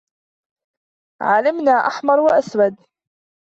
علمنا أحمر و أسود.